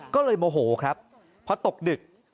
ก็เลยโมโหครับพอตกดึก